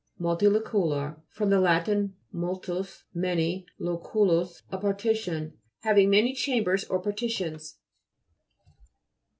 MCLTILO'CULAR fr. lat. multus, many, loculus, a partition. Hav ing many chambers or partitions.